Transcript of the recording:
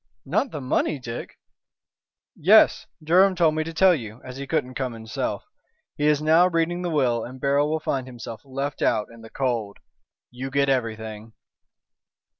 "Not the money, Dick?" "Yes! Durham told me to tell you, as he couldn't come himself. He is now reading the will and Beryl will find himself left out in the cold. You get everything."